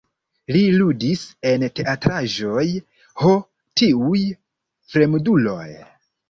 Li ludis en teatraĵoj "Ho, tiuj fremduloj!